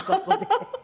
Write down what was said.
ハハハハ！